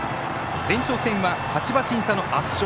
前哨戦は８馬身差の圧勝。